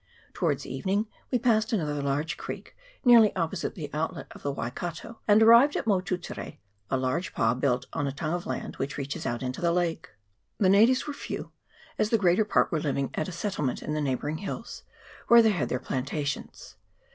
Towards evening we passed another large creek nearly oppo site the outlet of the Waikato, and arrived at Motu tere, a large pa built on a tongue of land which reaches out into the lake. The natives were few, as the greater part were living at a settlement in the neighbouring hills, where they had their planta tions.